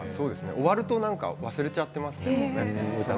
終わると忘れちゃっていますね。